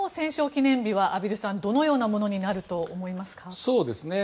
記念日は畔蒜さん、どのようなものになると思いますか。